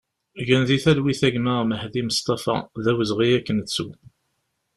Gen di talwit a gma Mehadi Mestafa, d awezɣi ad k-nettu!